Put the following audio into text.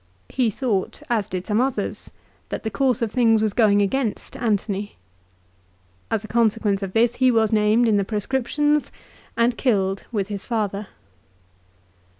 He thought, as did some others, that the course of things was going against Antony. As a consequence of this he was named in the proscriptions, and killed with his father.